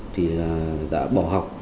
thì đã bỏ học